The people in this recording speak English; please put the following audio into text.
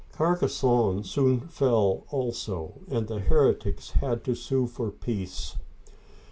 Carcassonne (car ca s6n') soon fell'also, and the heretics had to sue for peace.